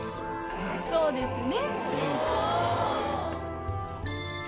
そうですね。